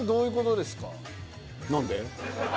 何で？